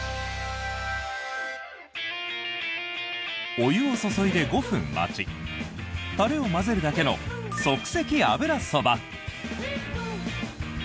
お湯を注いで５分待ちたれを混ぜるだけの即席油そば。